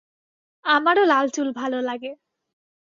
আমারও লালচুল ভালো লাগে।